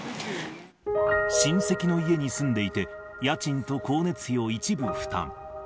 親戚の家に住んでいて、家賃と光熱費を一部負担。